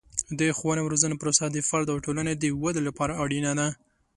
د ښوونې او روزنې پروسه د فرد او ټولنې د ودې لپاره اړینه ده.